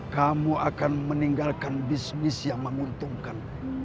kamu akan meninggalkan bisnis yang menguntungkan